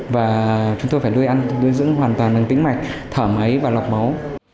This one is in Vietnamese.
và chúng tôi phải nuôi ăn thu nuôi dưỡng hoàn toàn bằng tính mạch thở máy và lọc máu